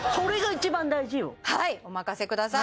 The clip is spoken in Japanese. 急にはいお任せください